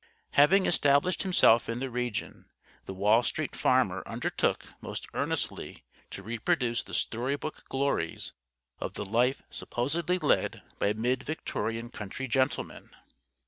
Having established himself in the region, the Wall Street Farmer undertook most earnestly to reproduce the story book glories of the life supposedly led by mid Victorian country gentlemen.